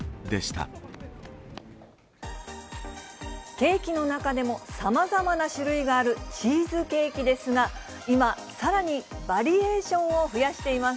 ケーキの中でも、さまざまな種類があるチーズケーキですが、今、さらにバリエーションを増やしています。